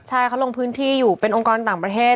ใช่เขาลงพื้นที่อยู่เป็นองค์กรต่างประเทศ